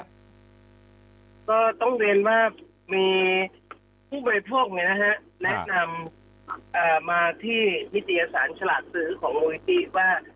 ก็ต้องเรียนว่ามีผู้บริโภคไงนะฮะแนะนำมาที่วิทยาศาสตร์ฉลาดสือของมูลนิธิ